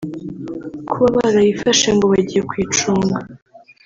“kuba barayifashe ngo bagiye kuyicunga